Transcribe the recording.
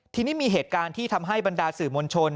ทีนี้มีเหตุการณ์ที่ทำให้บรรดาสื่อมวลชน